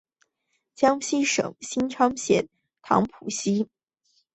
江西省新昌县棠浦镇沐溪村人。